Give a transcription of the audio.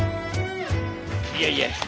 いやいや。